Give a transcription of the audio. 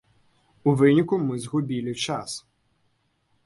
У выніку мы згубілі час.